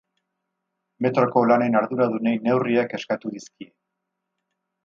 Metroko lanen arduradunei neurriak eskatu dizkie.